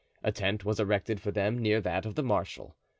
A tent was erected for them near that of the marshal.